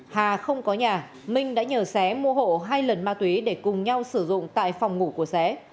hà không có nhà minh đã nhờ xé mua hộ hai lần ma túy để cùng nhau sử dụng tại phòng ngủ của xé